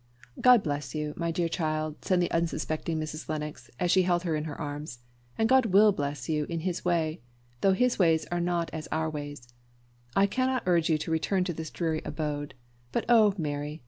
"God bless you, my dear child!" said the unsuspecting Mrs. Lennox, as she held her: in her arms. "And God will bless you in His way though His ways are not as our ways. I cannot urge you to return to this dreary abode. But oh, Mary!